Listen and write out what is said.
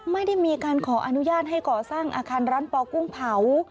ไม่ได้มีการขออนุญาตให้ก่อสร้างอาคารร้านปอกุ้งเผา